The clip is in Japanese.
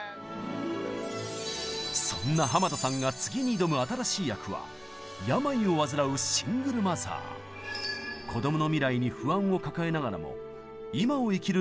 そんな濱田さんが次に挑む新しい役は子供の未来に不安を抱えながらも「今を生きる」